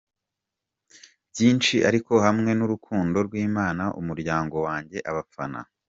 byiiiiiiinshi, ariko hamwe nurukundo rwImana, umuryango wanjye, abafana.